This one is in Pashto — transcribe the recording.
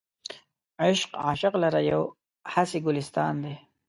عشق عاشق لره یو هسې ګلستان دی.